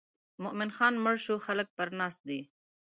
مومن خان مړ شو خلک پر ناست دي.